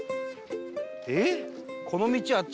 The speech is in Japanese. えっ？